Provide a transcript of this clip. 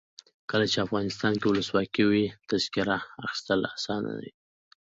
کله چې افغانستان کې ولسواکي وي تذکره اخیستل اسانه وي.